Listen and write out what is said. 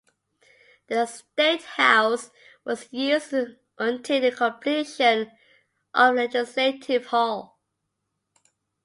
The State House was used until the completion of Legislative Hall.